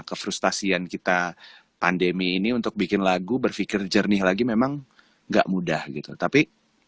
kefrustasian kita pandemi ini untuk bikin lagu berpikir jernih lagi memang nggak mudah gitu tapi